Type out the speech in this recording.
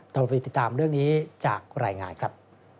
เราไปติดตามเรื่องนี้จากรายงานครับ